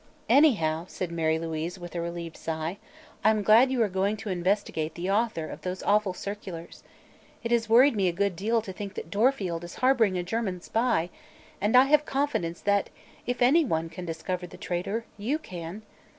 "Anyhow," said Mary Louise, with a relieved sigh, "I'm glad you are going to investigate the author of those awful circulars. It has worried me a good deal to think that Dorfield is harboring a German spy, and I have confidence that if anyone can discover the traitor, you can."